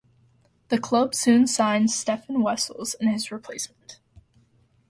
The club soon signed Stefan Wessels as his replacement.